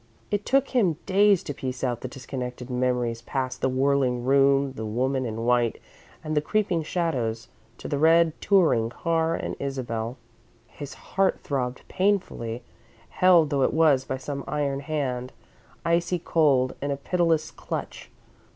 It took him days to piece out the disconnected memories past the whirling room, the woman in white and the creeping shadows, to the red touring car and Isabel. His heart throbbed painfully, held though it was by some iron hand, icy cold, in a pitiless clutch.